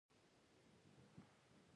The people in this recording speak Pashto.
زموږ زړه خوښي د بهرني معیارونو پورې نه ده.